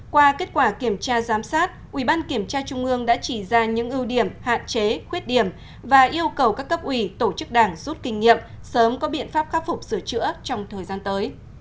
qua kết quả kiểm tra giám sát ủy ban kiểm tra trung ương đã chỉ ra những ưu điểm hạn chế khuyết điểm và yêu cầu các cấp ủy tổ chức đảng rút kinh nghiệm sớm có biện pháp khắc phục sửa chữa trong thời gian tới